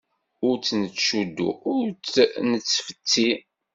Ur tt-nettcuddu, ur tt-nettfessi!